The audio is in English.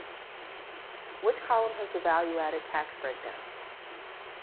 Which column has the value-added tax breakdown?